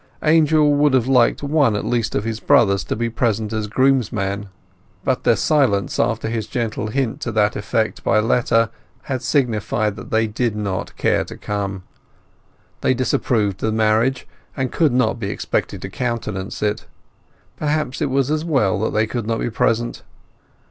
Angel would have liked one at least of his brothers to be present as groomsman, but their silence after his gentle hint to that effect by letter had signified that they did not care to come. They disapproved of the marriage, and could not be expected to countenance it. Perhaps it was as well that they could not be present.